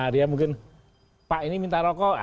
dia mungkin pak ini minta rokok